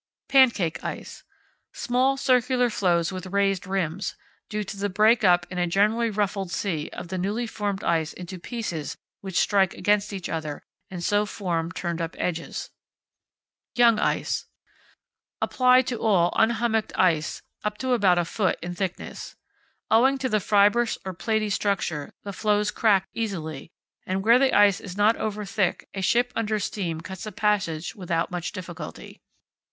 Pancake ice. Small circular floes with raised rims; due to the break up in a gently ruffled sea of the newly formed ice into pieces which strike against each other, and so form turned up edges. Young Ice. Applied to all unhummocked ice up to about a foot in thickness. Owing to the fibrous or platy structure, the floes crack easily, and where the ice is not over thick a ship under steam cuts a passage without much difficulty.